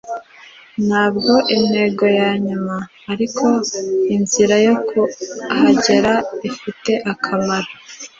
ntabwo intego yanyuma, ariko inzira yo kuhagera ifite akamaro